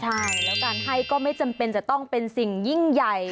ใช่แล้วการให้ก็ไม่จำเป็นจะต้องเป็นสิ่งยิ่งใหญ่